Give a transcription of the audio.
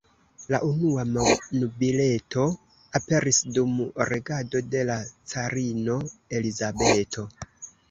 La unua monbileto aperis dum regado de la carino Elizabeto.